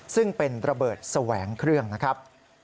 ซึ่งเป็นระเบิดแสวงเครื่องนะครับ